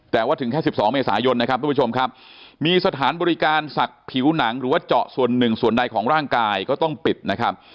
แต่ว่าถึงแค่๑๒เมษายนนะครับทุกผู้ชมครับมีสถานบริการศักดิ์ผิวหนังหรือว่าเจาะส่วนหนึ่งส่วนใดของร่างกายก็ต้องปิดนะครับ